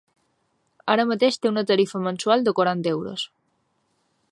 Ara mateix té una tarifa mensual de quaranta euros.